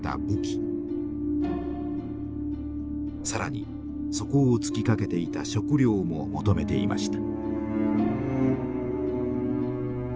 更に底をつきかけていた食糧も求めていました。